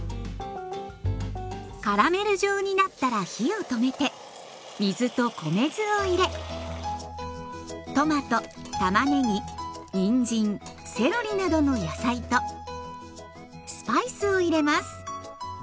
カラメル状になったら火を止めて水と米酢を入れトマトたまねぎにんじんセロリなどの野菜とスパイスを入れます。